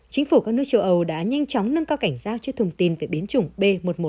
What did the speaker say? chính phủ các nước châu âu đã nhanh chóng nâng cao cảnh giao cho thông tin về biến chủng b một một năm trăm hai mươi chín